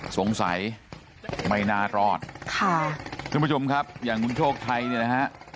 สงสัยไม่น่ารอดค่ะทุกผู้ชมครับอย่างคุณโชคชัยเนี่ยนะฮะ